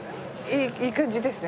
いい感じですね。